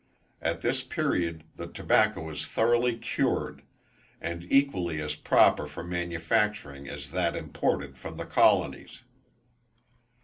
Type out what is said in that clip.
At this period the tobacco is thoroughly cured, and equally as proper for manufacturing as that imported from the colonies.